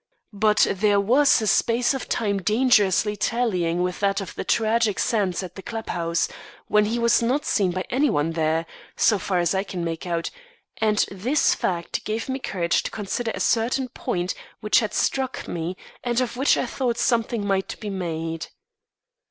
But there was a space of time dangerously tallying with that of the tragic scene at the club house, when he was not seen by any one there, so far as I can make out; and this fact gave me courage to consider a certain point which had struck me, and of which I thought something might be made.